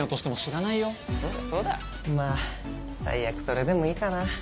まあ最悪それでもいいかな。